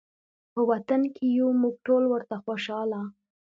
په وطن کې یو موږ ټول ورته خوشحاله